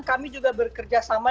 kami juga bekerja sama